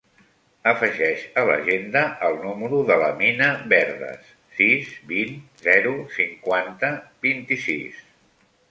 Afegeix a l'agenda el número de l'Amina Verdes: sis, vint, zero, cinquanta, vint-i-sis.